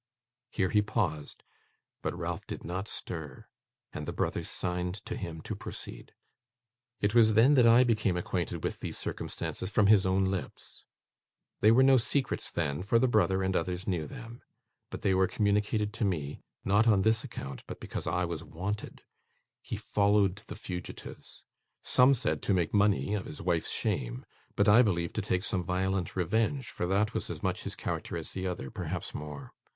Here he paused, but Ralph did not stir, and the brothers signed to him to proceed. 'It was then that I became acquainted with these circumstances from his own lips. They were no secrets then; for the brother, and others, knew them; but they were communicated to me, not on this account, but because I was wanted. He followed the fugitives. Some said to make money of his wife's shame, but, I believe, to take some violent revenge, for that was as much his character as the other; perhaps more.